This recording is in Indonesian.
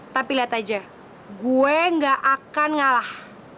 tapi liat aja gue nggak akan ngalah